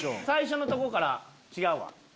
最初のとこから違うわ。